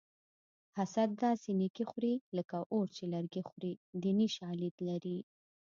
حسد داسې نیکي خوري لکه اور چې لرګي خوري دیني شالید لري